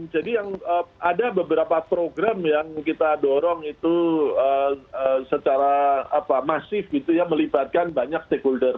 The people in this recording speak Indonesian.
jadi ada beberapa program yang kita dorong itu secara masif melibatkan banyak stakeholder